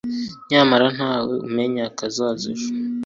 nyamara nta we umenya akazaza ejo